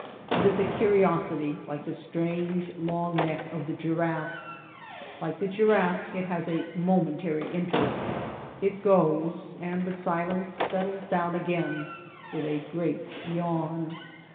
It is a curiosity like the strange, long neck of the giraffe. Like the giraffe it has a momentary interest. It goes, and the silence settles down again with a great yawn.